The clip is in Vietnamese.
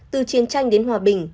từ chiến tranh đến hòa bình